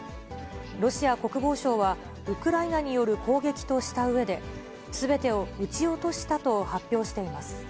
ロシア国防省は、ウクライナによる攻撃としたうえで、すべてを撃ち落としたと発表しています。